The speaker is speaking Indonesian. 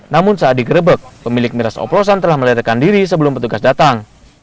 namun saat digerebek pemilik miras oplosan telah meletakkan diri sebelum petugas datang